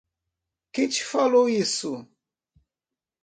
Quem te falou isso?